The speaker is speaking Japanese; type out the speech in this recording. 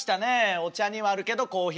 お茶にはあるけどコーヒーにはない。